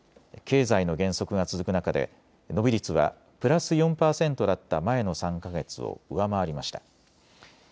経済の減速が続く中で伸び率はプラス４％だった前の３か月を上回りました。